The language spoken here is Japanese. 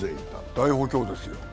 大補強ですよ。